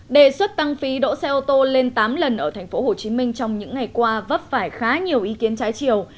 đề xuất tăng phí đỗ xe ô tô lên tám lần ở tp hcm trong những ngày qua vấp phải khá nhiều ý kiến trái chiều